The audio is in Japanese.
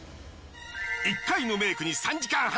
１回のメイクに３時間半。